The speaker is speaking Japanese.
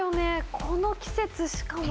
この季節しかも